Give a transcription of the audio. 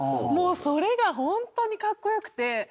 もうそれが本当にかっこ良くて。